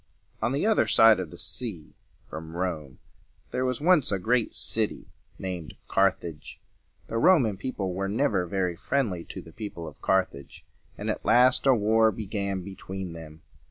On the other side of the sea from Rome there was once a great city named Car thage. The Roman people were never very friendly to the people of Car thage, and at last a war began between them.